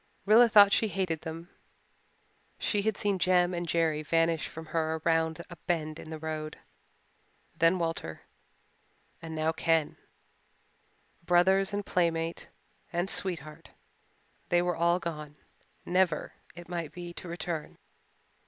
Rilla thought she hated them. She had seen Jem and Jerry vanish from her around a bend in the road then Walter and now Ken. Brothers and playmate and sweetheart they were all gone, never, it might be, to return.